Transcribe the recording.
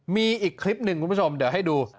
มีอีกคลิปหนึ่งคุณผู้ชมเดี๋ยวให้ดู